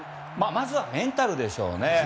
まずはメンタルでしょうね。